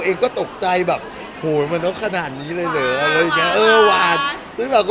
เองก็ตกใจแบบโหมันก็ขนาดนี้เลยเหิยอะไรอย่างเงี้ยเออสาวา